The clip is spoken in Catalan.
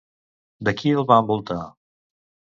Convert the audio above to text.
De qui el va envoltar?